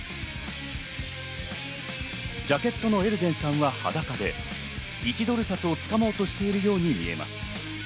ジャケットのエルデンさんは裸で、１ドル札をつかもうとしているように見えます。